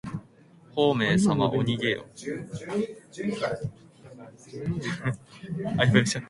ほうめいさまおにげよ。